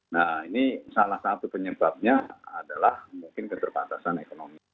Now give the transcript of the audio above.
nah ini salah satu penyebabnya adalah mungkin keterbatasan ekonomi